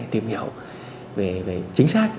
tìm hiểu về chính xác